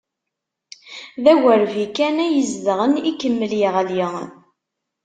D agerbi kan ay zedɣen, ikemmel yeɣli.